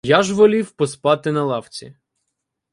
Я ж волів поспати на лавці.